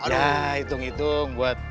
yaa hitung hitung buat